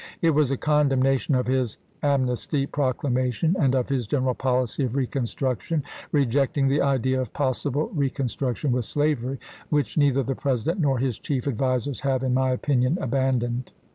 It was a condemnation of his amnesty proclamation and of his general policy of reconstruction, rejecting the idea of possible re construction with slavery, which neither the Presi dent nor his chief advisers have, in my opinion, abandoned."